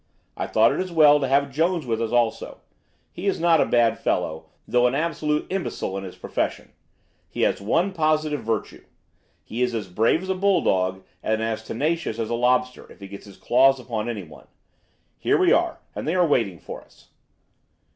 I thought it as well to have Jones with us also. He is not a bad fellow, though an absolute imbecile in his profession. He has one positive virtue. He is as brave as a bulldog and as tenacious as a lobster if he gets his claws upon anyone. Here we are, and they are waiting for us."